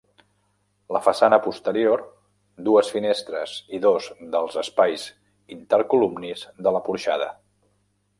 La façana posterior, dues finestres i dos dels espais intercolumnis de la porxada.